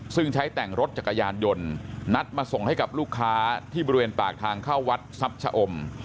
ซึ่งใช้แต่งรถจักรยานยนต์นัดมาส่งให้กับลูกค้าที่บริเวณปากทางเข้าวัดทรัพย์ชะอม